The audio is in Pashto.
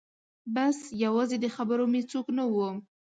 بس یوازې د خبرو مې څوک نه و